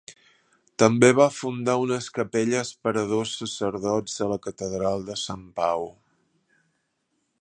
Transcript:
També va fundar unes capelles per a dos sacerdots a la catedral de Sant Pau.